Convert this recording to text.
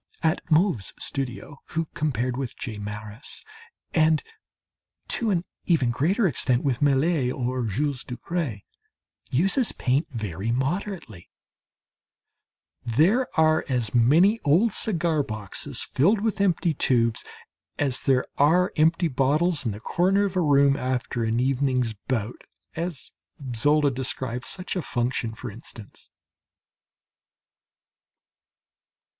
At Mauve's studio who compared with J. Maris, and to an even greater extent with Millet or Jules Dupré, uses paint very moderately there are as many old cigar boxes filled with empty tubes as there are empty bottles in the corner of a room after an evening's bout (as Zola describes such a function, for instance).